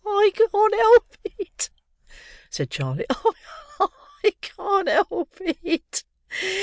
"I can't help it," said Charley, "I can't help it!